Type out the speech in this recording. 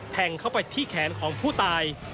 แทงเข้าไปที่แขนของผู้ตาย